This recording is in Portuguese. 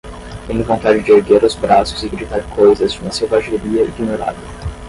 Tenho vontade de erguer os braços e gritar coisas de uma selvageria ignorada